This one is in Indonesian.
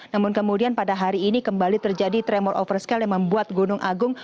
namun kemudian pada hari ini kembali terjadi tremor overscale yang membuat gunung agung